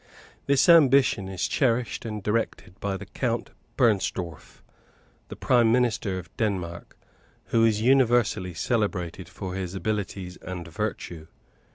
This ambition is cherished and directed by the Count Bernstorff, the Prime Minister of Denmark, who is universally celebrated for his abilities and virtue.